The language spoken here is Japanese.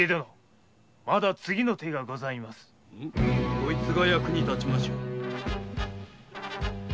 こいつが役に立ちましょう。